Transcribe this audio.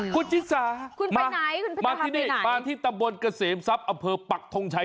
คุณจิตสามาที่นี่บ้านที่ตำบลเกษมทรัพย์อำเภอปักทงชัย